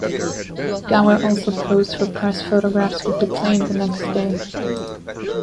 Gower also posed for press photographs with the plane the next day.